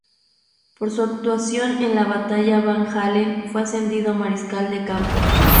Por su actuación en la batalla Van Halen fue ascendido a mariscal de campo.